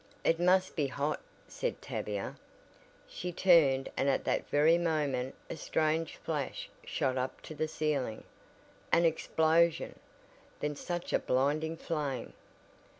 "It must be hot " said Tavia. She turned and at that very moment a strange flash shot up to the ceiling! An explosion! Then such a blinding flame!